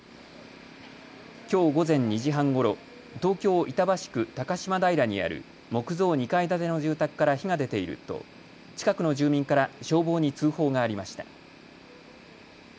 きょう午前２時半ごろ、東京板橋区高島平にある木造２階建ての住宅から火が出ていると近くの住民から消防に通報がありました。